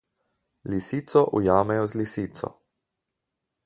Lisico ujamejo z lisico.